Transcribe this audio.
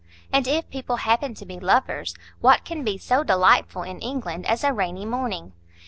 And if people happen to be lovers, what can be so delightful, in England, as a rainy morning?